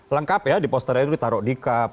lengkap ya di poster itu ditaruh di kap